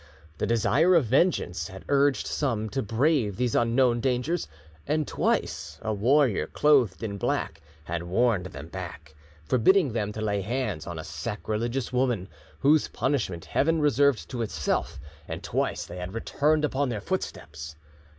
The desire of vengeance had urged some to brave these unknown dangers, and twice, a warrior, clothed in black, had warned them back, forbidding them to lay hands on a sacrilegious woman; whose punishment Heaven reserved to itself, and twice they had returned upon their footsteps.